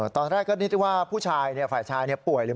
ตอนแรกก็นิดนึงว่าผู้ชายเนี่ยฝ่ายชายเนี่ยป่วยเลย